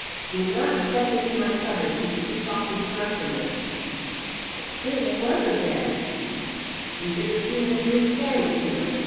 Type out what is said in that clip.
He would not have crept into my cupboard to sleep off his drunkenness." "But, sir, there was a bed." "You should have seen that he was carried to it.